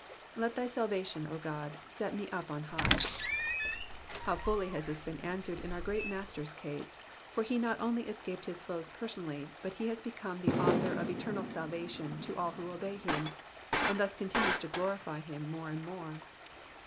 ^^Let thy salvation, 0 God, set me up on hiffh."*^ How fully has this been answered in our great Master's case, for he not only escaped his foes personally, but he has become the author of eternal salvation to all who obey him, and this continues to glorify him more and more.